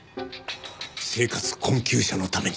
生活困窮者のために。